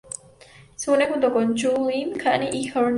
Se une junto con Chun-Li, Cammy y Juri Han.